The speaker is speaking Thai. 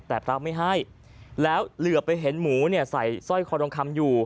แต่พระไม่ให้แล้วเหลือไปเห็นหมูเนี่ยใส่สร้อยคอทองคำอยู่